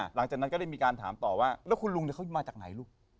หลังจากนั้นก็ได้มีการถามต่อว่าแล้วคุณลุงเขามาจากไหนลูก